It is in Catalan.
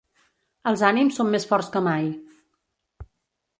Els ànims són més forts que mai.